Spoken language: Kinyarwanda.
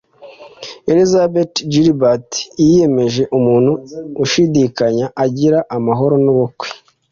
Elizabeth Gilbert, Yiyemeje: Umuntu ushidikanya agira amahoro nubukwe